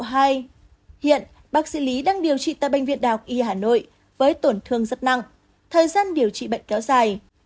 hiện bác sĩ lý đang điều trị tại bệnh viện đại học y hà nội với tổn thương rất nặng thời gian điều trị bệnh kéo dài